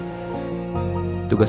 hei apa kabar